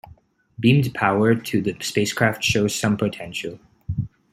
Beamed power to the spacecraft shows some potential.